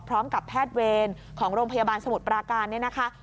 พร้อมกับแพทย์เวรของโรงพยาบาลสมุทรปราการเนี่ยนะคะ